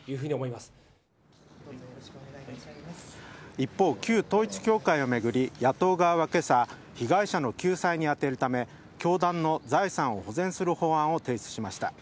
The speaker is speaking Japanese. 一方、旧統一教会を巡り野党側は今朝被害者の救済に充てるため教団の財産を保全する法案を提出しました。